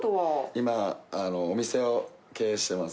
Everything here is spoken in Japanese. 今、お店を経営してます。